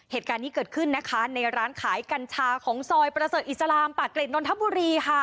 เหตุการณ์นี้เกิดขึ้นนะคะในร้านขายกัญชาของซอยประเสริฐอิสลามปากเกร็ดนนทบุรีค่ะ